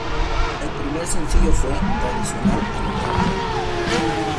El primer sencillo fue "Tradicional A Lo Bravo".